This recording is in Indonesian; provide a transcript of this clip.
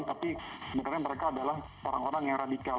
tapi sebenarnya mereka adalah orang orang yang radikal